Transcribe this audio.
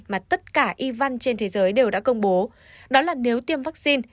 mà tất cả y văn trên thế giới đều đã công bố đó là nếu tiêm vaccine